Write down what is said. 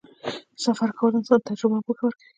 سفر کول انسان ته تجربه او پوهه ورکوي.